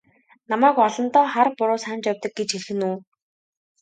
Намайг олондоо хар буруу санаж явдаг гэж хэлэх нь үү?